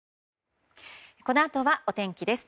このあとはお天気です。